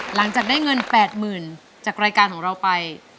หลังจากได้เงิน๘๐๐๐จากรายการของเราไป